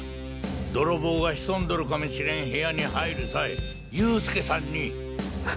泥棒が潜んどるかもしれん部屋に入る際佑助さんに。